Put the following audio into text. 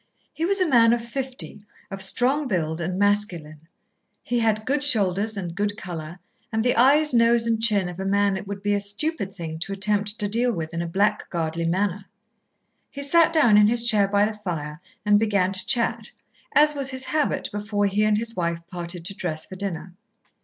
He was a man of fifty, of strong build, and masculine. He had good shoulders and good colour, and the eyes, nose, and chin of a man it would be a stupid thing to attempt to deal with in a blackguardly manner. He sat down in his chair by the fire and began to chat, as was his habit before he and his wife parted to dress for dinner.